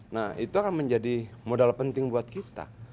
nah itu akan menjadi modal penting buat kita